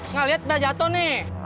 nggak lihat udah jatuh nih